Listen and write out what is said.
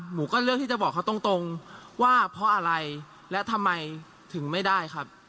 หนูก็เลือกที่จะบอกเขาตรงตรงว่าเพราะอะไรและทำไมถึงไม่ได้ครับ